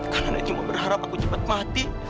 karena nenek cuma berharap aku cepat mati